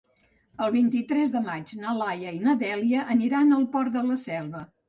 El vint-i-tres de maig na Laia i na Dèlia aniran al Port de la Selva.